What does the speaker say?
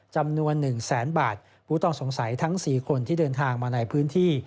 จำนวน๑แสนบาทผู้ต้องสงสัยทั้ง๔คนที่เดินทางมาในพื้นที่